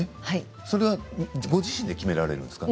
それはご自身で決められるんですか。